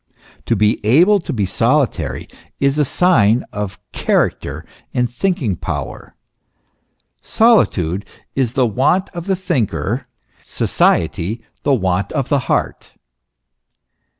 To be able to be solitary is a sign of character and thinking power. Solitude is the want of the thinker, society the want of the heart.